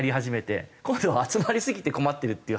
今度は集まりすぎて困ってるっていう話じゃないですか。